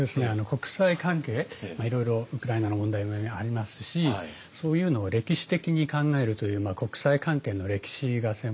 国際関係いろいろウクライナの問題もありますしそういうのを歴史的に考えるという国際関係の歴史が専門で。